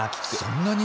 そんなに？